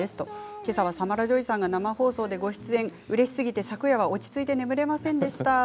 今朝はサマラ・ジョイさんが生放送でご出演うれしすぎて昨夜は落ち着いて眠れませんでした。